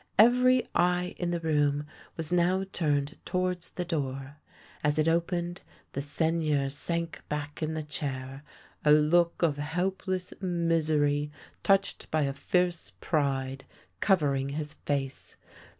Every eye in the room was now turned towards the door. As it opened, the Seigneur sank back in the chair, a look of helpless misery touched by a fierce pride covering his face.